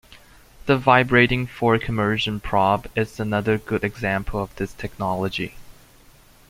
The vibrating fork immersion probe is another good example of this technology.